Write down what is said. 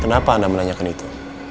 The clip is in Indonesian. kenapa anda menanyakan itu